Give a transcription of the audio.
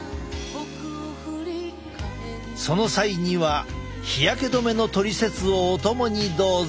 その際には日焼け止めのトリセツをお供にどうぞ。